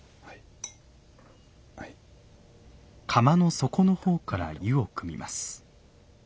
釜の底の方から湯をくみます。